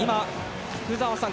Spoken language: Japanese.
福澤さん